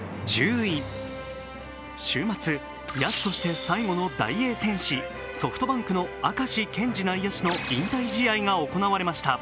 週末、野手として最後のダイエー戦士、ソフトバンクの明石健志内野手の引退試合が行われました。